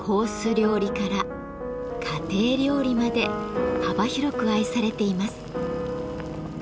料理から家庭料理まで幅広く愛されています。